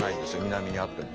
南にあっても。